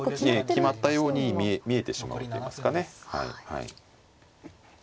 ええ決まったように見えてしまうといいますかねはいはい。